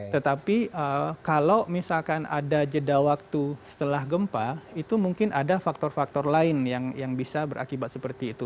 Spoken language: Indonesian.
tetapi kalau misalkan ada jeda waktu setelah gempa itu mungkin ada faktor faktor lain yang bisa berakibat seperti itu